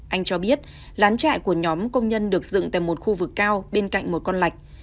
anh cho biết lán trại của nhóm công nhân được dựng tại một khu vực cao bên cạnh một con lạch